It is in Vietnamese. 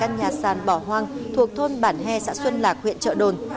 ở hòa hoang thuộc thôn bản he xã xuân lạc huyện trợ đồn